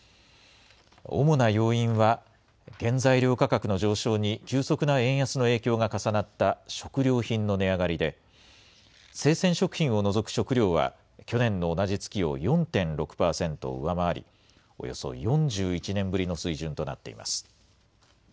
主な要因は、原材料価格の上昇に急速な円安の影響が重なった食料品の値上がりで、生鮮食品を除く食料は、去年の同じ月を４．６％上回り、およそ４１年ぶりの水準となっています。